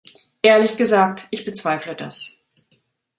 Ehrlich gesagt, ich bezweifle das.